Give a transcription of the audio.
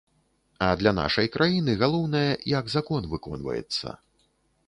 А для нашай краіны галоўнае, як закон выконваецца.